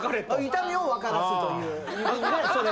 痛みを分からすというのでそれと。